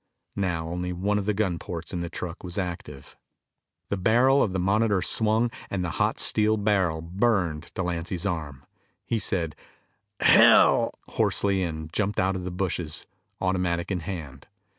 Now only one of the gun ports in the truck was active. The barrel of the Monitor swung and the hot steel barrel burned Delancy's arm. He said, "Hell!" hoarsely and jumped out of the bushes, automatic in hand.